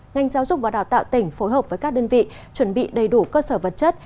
ngành giáo dục và đào tạo tỉnh phối hợp với các đơn vị chuẩn bị đầy đủ cơ sở vật chất